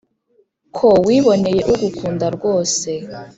ko wiboneye ugukunda rwose